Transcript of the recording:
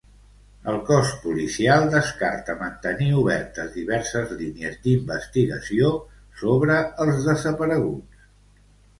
El cos policial descarta mantenir obertes diverses línies d'investigació sobre els desapareguts.